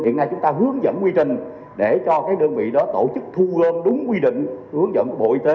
hiện nay chúng ta hướng dẫn quy trình để cho đơn vị đó tổ chức thu gom đúng quy định hướng dẫn của bộ y tế